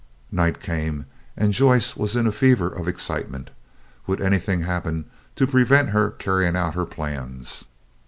Night came, and Joyce was in a fever of excitement. Would anything happen to prevent her carrying out her plans?